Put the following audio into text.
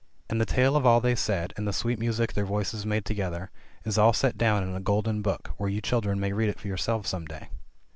And the tale of all they said, and the sweet music their voices made together, is all set down in a golden book, where you children may read it for yourselves some day.